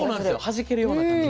はじけるような感じ。